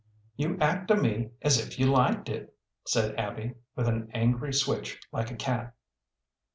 "You act to me as if you liked it," said Abby, with an angry switch like a cat.